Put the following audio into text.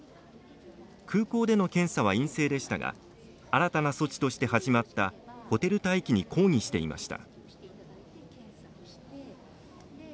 空港での検査は陰性でしたが新たな措置として始まったホテル待機に抗議していました。